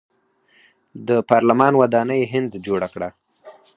د پارلمان ودانۍ هند جوړه کړه.